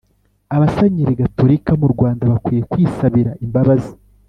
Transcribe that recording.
“abasenyeri gatolika mu rwanda bakwiye kwisabira imbabazi